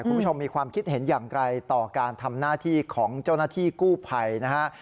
คุณผู้ชมมีความคิดเห็นอย่างไรต่อการทำหน้าที่ของเจ้าหน้าที่กู้ภัยนะฮะ